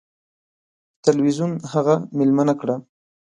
تلویزیون هغه میلمنه کړه.